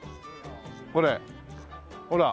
これほら。